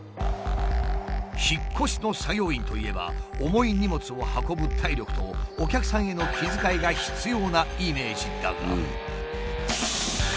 引っ越しの作業員といえば重い荷物を運ぶ体力とお客さんへの気遣いが必要なイメージだが。